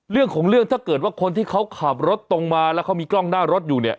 เรื่องของเรื่องถ้าเกิดว่าคนที่เขาขับรถตรงมาแล้วเขามีกล้องหน้ารถอยู่เนี่ย